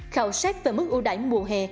khảo sát về mức ưu đại mùa hè